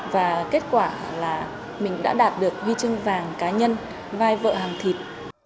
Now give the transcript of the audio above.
và kết quả là mình đã đạt được huy chương vàng cá nhân vai vợ hàng thịt